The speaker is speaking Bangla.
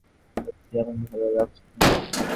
সত্যিই আমার ভালো লাগছে না।